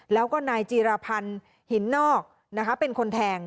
แล้วก็นายจีรพันธ์หินนอกเป็นคนแทง